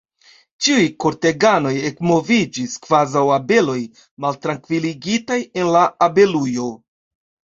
Ĉiuj korteganoj ekmoviĝis, kvazaŭ abeloj, maltrankviligitaj en la abelujo.